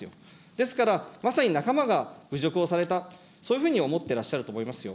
ですから、まさに仲間が侮辱をされた、そういうふうに思ってらっしゃると思いますよ。